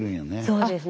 そうですね。